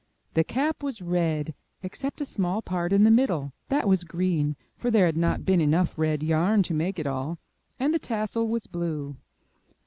The cap was red, except a small part in the middle. That was green, for there had not been enough red yarn to make it all; and the tassel was blue.